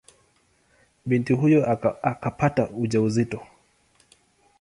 Binti huyo akapata ujauzito.